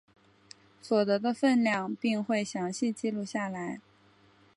所得的份量并会详细记录下来。